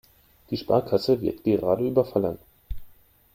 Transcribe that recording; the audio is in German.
Die Sparkasse wird gerade überfallen.